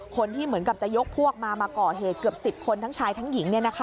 คนที่เหมือนกับจะยกพวกมามาก่อเหตุเกือบ๑๐คนทั้งชายทั้งหญิง